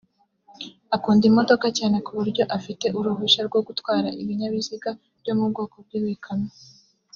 Akunda imodoka cyane ku buryo afite uruhushya rwo gutwara ibinyabiziga byo mu bwoko bw’ibikamyo